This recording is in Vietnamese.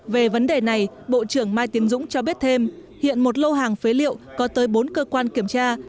về vấn đề này bộ trưởng mai tiến dũng cho biết thêm hiện một lô hàng phế liệu có tới bốn cơ quan kiểm tra